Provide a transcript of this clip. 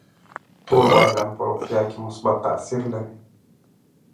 تور بانجان په روغتیا کې مثبت تاثیر لري.